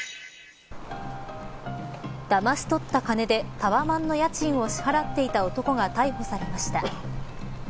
だまし取った金でタワマンの家賃を支払っていた男が逮捕されました。